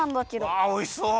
わあおいしそう！